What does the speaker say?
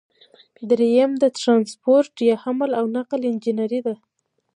دریم د ټرانسپورټ یا حمل او نقل انجنیری ده.